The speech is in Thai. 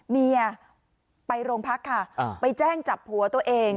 เมียไปโรงพักค่ะไปแจ้งจับผัวตัวเอง